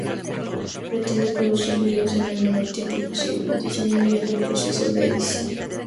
Pretende producir vídeos en el menor tiempo posible, disminuyendo el proceso de edición.